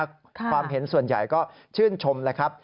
ความเห็นส่วนใหญ่ก็ชื่นชมแล้วครับ